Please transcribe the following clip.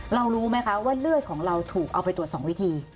รู้ไหมคะว่าเลือดของเราถูกเอาไปตรวจ๒วิธี